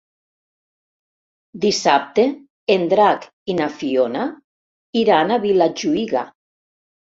Dissabte en Drac i na Fiona iran a Vilajuïga.